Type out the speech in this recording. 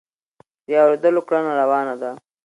د اورېدلو کړنه روانه ده.